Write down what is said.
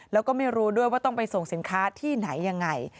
แล้วก็ไม่รู้ด้วยว่าต้องไปส่งสินค้าที่ไหนยังไง